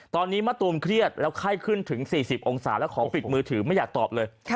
ตอนนี้มะตูมเครียดแล้วไข้ขึ้นถึง๔๐องศาแล้วขอปิดมือถือไม่อยากตอบเลย